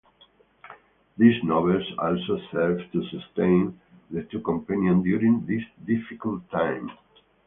These novels also serve to sustain the two companions during this difficult time.